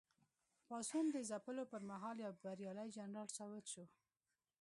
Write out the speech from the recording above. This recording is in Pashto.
پاڅون د ځپلو پر مهال یو بریالی جنرال ثابت شو.